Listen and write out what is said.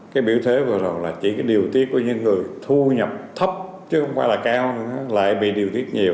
cái biểu thế vừa rồi là chỉ cái điều tiết của những người thu nhập thấp chứ không phải là cao lại bị điều tiết nhiều